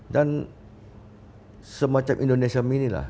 dan semacam indonesia mini lah